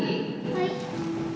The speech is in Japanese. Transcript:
はい。